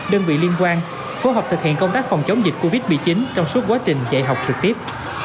đơn vị liên quan phối hợp thực hiện công tác phòng chống dịch covid một mươi chín trong suốt quá trình dạy học trực tiếp